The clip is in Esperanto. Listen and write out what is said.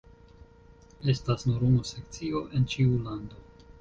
Estas nur unu sekcio en ĉiu lando.